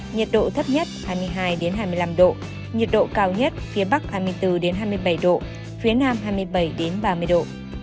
nhiệt độ thấp nhất hai mươi hai hai mươi năm độ nhiệt độ cao nhất phía bắc hai mươi bốn hai mươi bảy độ phía nam hai mươi bảy ba mươi độ